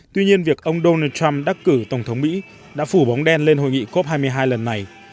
tuy nhiên việc ông donald trump đắc cử tổng thống mỹ đã phủ bóng đen lên hội nghị cop hai mươi hai lần này